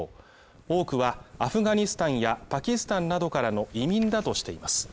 多くはアフガニスタンやパキスタンなどからの移民だとしています。